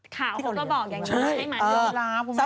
ข่าวคนก็บอกอย่างนี้นะ